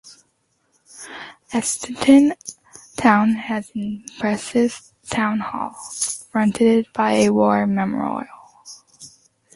Earlestown has an impressive town hall, fronted by a war memorial.